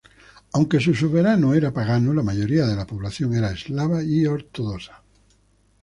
Aunque su soberano era pagano, la mayoría de la población era eslava y ortodoxa.